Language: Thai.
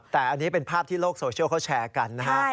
แต่อันนี้เป็นภาพที่โลกโซเชียลเขาแชร์กันนะฮะ